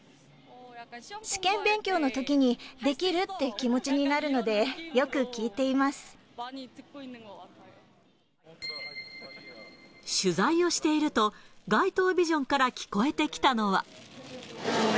試験勉強のときに、できるっ！って気持ちになるので、よく聴いて取材をしていると、街頭ビジョンから聞こえてきたのは。